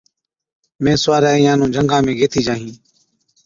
مين سُوارَي اِينهان نُون جھنگا ۾ گيهٿِي جاهِين،